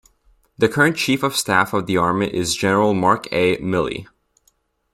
The current Chief of Staff of the Army is General Mark A. Milley.